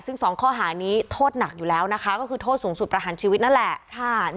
ซึ่ง๒ข้อหานี้โทษหนักอยู่แล้วนะคะก็คือโทษสูงสุดประหารชีวิตนั่นแหละ